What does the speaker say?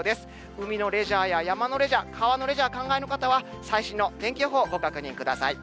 海のレジャーや山のレジャー、川のレジャー、お考えの方は最新の天気予報、ご確認ください。